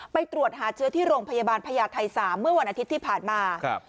ไปตรวจหาเชื้อที่โรงพยาบาลพญาไทย๓เมื่อวันอาทิตย์ที่ผ่านมา